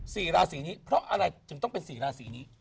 สี่ราศีนี้เพราะอะไรถึงต้องเป็นสี่ราศีนี้